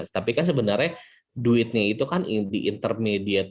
tapi sebenarnya duitnya itu kan diintermediate